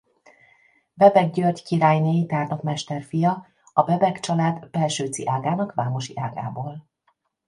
Bebek György királynéi tárnokmester fia a Bebek család pelsőci ágának vámosi ágából.